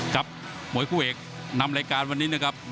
ครับมวยคู่เอกนำรายการวันนี้นะครับ